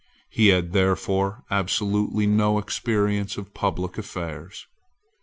He had therefore absolutely no experience of public affairs.